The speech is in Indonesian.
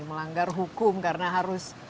melanggar hukum karena harus